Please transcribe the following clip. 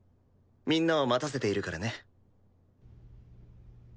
みんなを待たせているからね。